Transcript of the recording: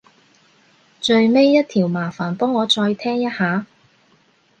最尾一條麻煩幫我再聽一下